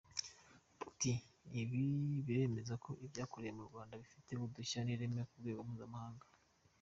Ati “Ibi biremeza ko ibyakorewe mu Rwanda bifite udushya n’ireme ku rwego mpuzamahanga.